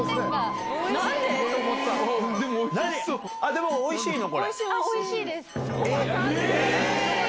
でも、おいしいの？